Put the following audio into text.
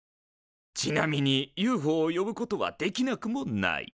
ちなみにＵＦＯを呼ぶことはできなくもない。